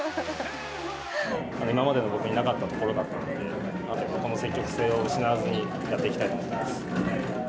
今までの僕になかったところだったので、この積極性を失わずにやっていきたいなと思います。